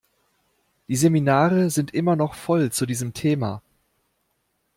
Die Seminare sind immer noch voll zu diesem Thema.